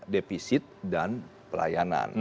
defisit dan pelayanan